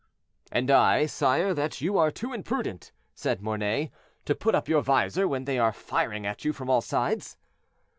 "And I, sire, that you are too imprudent," said Mornay, "to put up your vizor when they are firing at you from all sides."